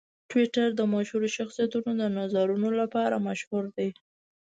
ټویټر د مشهورو شخصیتونو د نظرونو لپاره مشهور دی.